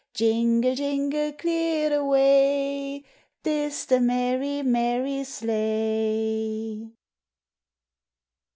Jingle, jingle, clear the way ! T is the merry, merry sleigh.